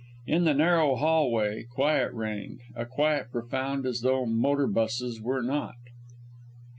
In the narrow hall way, quiet reigned a quiet profound as though motor 'buses were not.